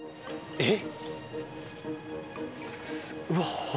えっ？